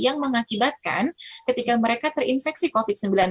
yang mengakibatkan ketika mereka terinfeksi covid sembilan belas